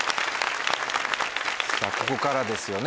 さぁここからですよね。